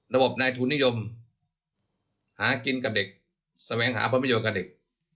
นายทุนนิยมหากินกับเด็กแสวงหาผลประโยชน์กับเด็ก